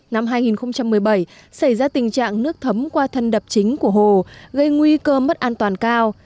năm hai nghìn một mươi bảy xảy ra tình trạng nước thấm qua thân đập chính của hồ gây nguy cơ mất an toàn cao